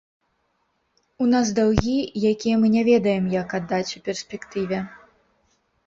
У нас даўгі, якія мы не ведаем, як аддаць у перспектыве.